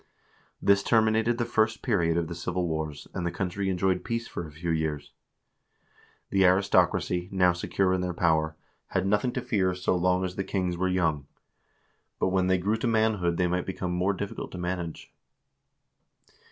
This terminated the first period of the civil wars, and the country enjoyed peace for a few years. The aristocracy, now secure in their power, had nothing to fear so long as the kings were young, but when 344 HISTORY OF THE NORWEGIAN PEOPLE they grew to manhood they might become more difficult to manage.